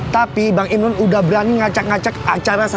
tapi bang imron udah berani ngacak ngacak acara